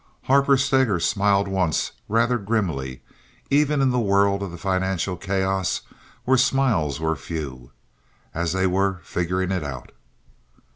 Harper Steger smiled once rather grimly, even in the whirl of the financial chaos where smiles were few, as they were figuring it out.